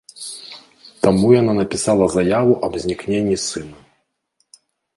Таму яна напісала заяву аб знікненні сына.